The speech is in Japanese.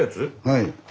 はい。